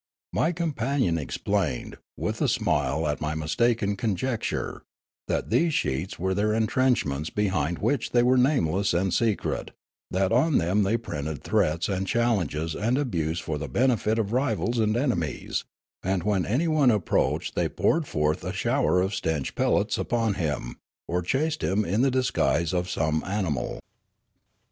My companion explained, with a smile at my mistaken conjecture, that these sheets were their entrenchments, behind which thej^ were nameless and secret, that on them they printed threats and challenges and abuse for the benefit of rivals and enemies ; and when anyone approached they poured forth a shower of stench pellets upon him, or chased him in the disguise of some animal.